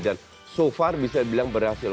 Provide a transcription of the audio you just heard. dan so far bisa dibilang berhasil